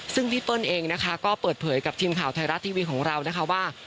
ซึ่งพี่เปิ้ลเองนะคะก็เปิดเผยกับทีมข่าวไทยรัฐทีวีของเรานะคะว่า